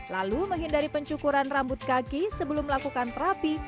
lalu menghindari pencukuran rambut kaki sebelum melakukan terapi